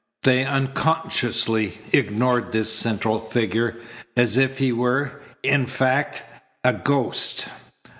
They unconsciously ignored this central figure, as if he were, in fact, a ghost.